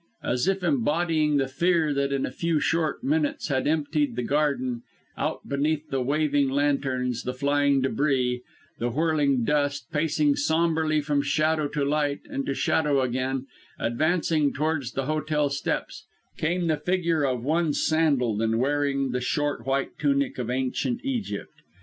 As if embodying the fear that in a few short minutes had emptied the garden, out beneath the waving lanterns, the flying débris, the whirling dust, pacing sombrely from shadow to light, and to shadow again, advancing towards the hotel steps, came the figure of one sandalled, and wearing the short white tunic of Ancient Egypt.